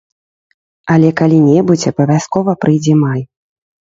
Але калі-небудзь абавязкова прыйдзе май.